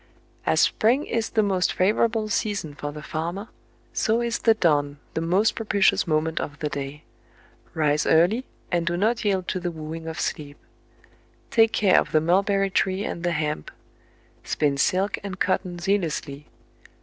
"As spring is the most favorable season for the farmer, so is the dawn the most propitious moment of the day. " Rise early, and do not yield to the wooing of sleep. " Take care of the mulberry tree and the hemp. " Spin silk and cotton zealously.